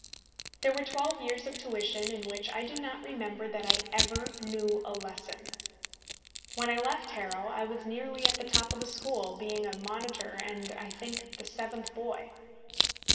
There were twelve years of tuition in which I do not remember that I ever knew a lesson! When I left Harrow I was nearly at the top of the school, being a monitor, and, I think, the seventh boy.